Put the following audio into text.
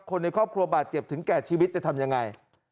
คนในครอบครัวบาดเจ็บถึงแก่ชีวิตจะทำยังไง